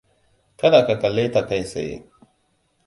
Kada ka kalle ta kai tsaye.